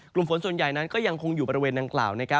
กลุ่มฝนส่วนใหญ่นั้นก็ยังคงอยู่บริเวณดังกล่าว